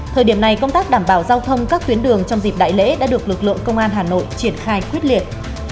thời điểm này công tác đảm bảo giao thông các tuyến đường trong dịp đại lễ đã được lực lượng công an hà nội triển khai quyết liệt